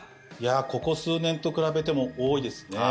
ここ数年と比べても多いですね。